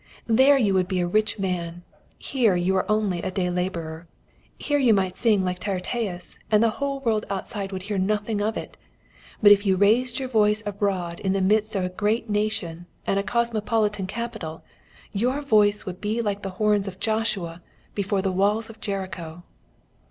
There you would be a rich man, here you are only a day labourer. Here you might sing like a Tyrtæus, and the world outside would hear nothing of it; but if you raised your voice abroad in the midst of a great nation and a cosmopolitan capital, your voice would be like the horns of Joshua before the walls of Jericho."